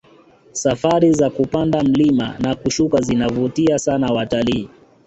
safari za kupanda mlima na kushuka zinavutia sana watalii